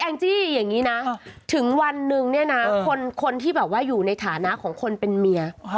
จี้อย่างนี้นะถึงวันนึงเนี่ยนะคนที่แบบว่าอยู่ในฐานะของคนเป็นเมีย